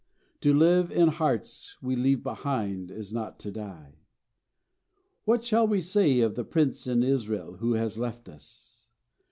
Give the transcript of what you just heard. To live in hearts we leave behind Is not to die.' "What shall we say of the prince in Israel who has left us?